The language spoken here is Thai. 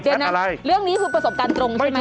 เรื่องนี้คือประสบการณ์ตรงใช่ไหม